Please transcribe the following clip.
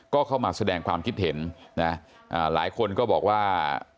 ก็เข้ามาแสดงความคิดเห็นนะหลายคนก็บอกว่า